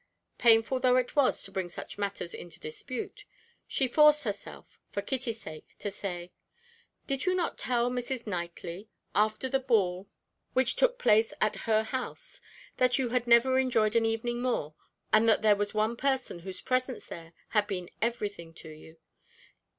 Painful though it was to bring such matters into dispute, she forced herself for Kitty's sake to say: "Did you not tell Mrs. Knightley, after the ball which took place at her house, that you had never enjoyed an evening more, and that there was one person whose presence there had been everything to you?